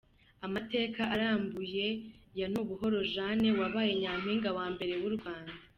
Amateka arambuye ya Nubuhoro Jeanne wabaye Nyampinga wa mbere w’u Rwanda.